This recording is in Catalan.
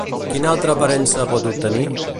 Quina altra aparença pot obtenir?